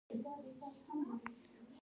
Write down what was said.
• شتمني که له عدالته واوړي، بربادي راوړي.